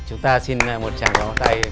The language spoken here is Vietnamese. chúng ta xin một tràng đón tay